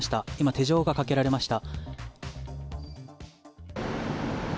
手錠がかけられました。